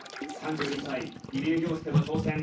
３２歳、入江陵介の挑戦。